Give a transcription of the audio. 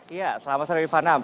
iya selamat sore rifana